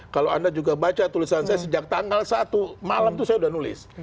kalau anda juga baca tulisan saya sejak tanggal satu malam itu saya sudah nulis